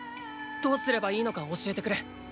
どうすればいいのか教えてくれ。